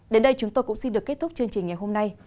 đến đây chúng tôi cũng xin được kết thúc chương trình ngày hôm nay